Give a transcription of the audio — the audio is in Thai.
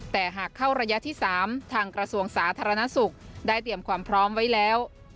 แต่หากเข้าระยะที่๓ทางกระทรวงสาธารณสุขได้เตรียมความพร้อมไว้แล้ว